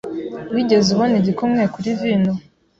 Wigeze ubona igikumwe kuri vino?